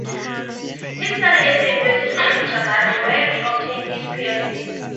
He studied at the University of Michigan, where he obtained his P.h.B.